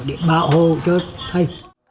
để bảo hộ cho thầy